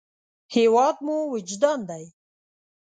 هېواد مو وجدان دی